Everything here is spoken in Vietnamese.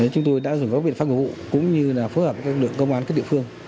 chúng tôi đã dùng các biện pháp ngụ cũng như là phối hợp với các lực lượng công an các địa phương